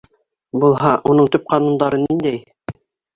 Булһа, уның төп ҡанундары ниндәй?